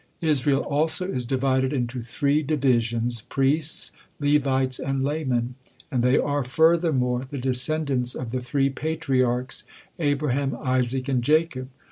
Israel also is divided into three divisions, priests, Levites, and laymen; and they are, furthermore, the descendants of the three Patriarchs, Abraham, Isaac, and Jacob.